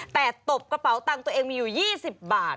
แต่ตบกระเป๋าตังค์ตัวเองมีอยู่๒๐บาท